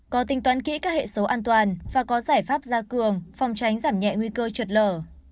có tính toán kỹ các hệ số an toàn và có giải pháp gia cường phòng tránh giảm nhẹ nguy cơ trượt lở